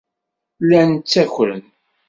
Llan ttakren.